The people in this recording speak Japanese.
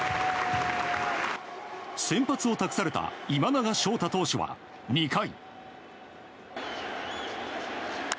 先発を託された今永昇太投手は２回。